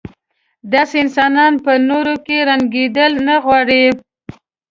داسې انسانان په نورو کې رنګېدل نه غواړي.